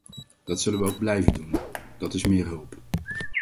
Dat zullen we ook blijven doen; dat is meer hulp.